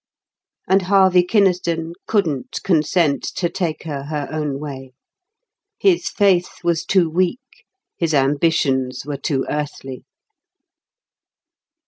And Harvey Kynaston couldn't consent to take her her own way. His faith was too weak, his ambitions were too earthly.